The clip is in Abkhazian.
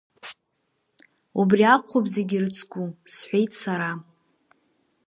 Убри акәхап зегьы ирыцку, – сҳәеит сара.